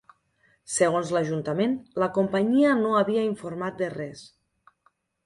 Segons l’ajuntament, la companyia no havia informat de res.